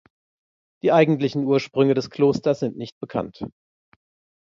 Die eigentlichen Ursprünge des Klosters sind nicht bekannt.